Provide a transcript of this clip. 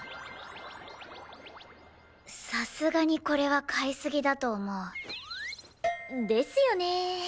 さすがにこれは買いすぎだと思う。ですよね。